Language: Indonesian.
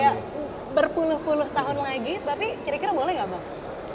masih kayak berpuluh puluh tahun lagi tapi kira kira boleh gak bang